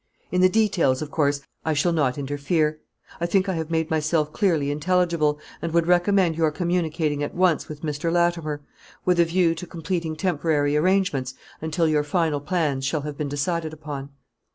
In the details, of course, I shall not interfere. I think I have made myself clearly intelligible, and would recommend your communicating at once with Mr. Latimer, with a view to completing temporary arrangements, until your final plans shall have been decided upon.